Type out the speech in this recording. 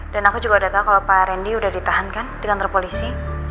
aku juga udah tahu kalau pak randy udah ditahankan di kantor polisi